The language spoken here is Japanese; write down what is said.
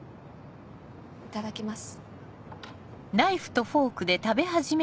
いただきます。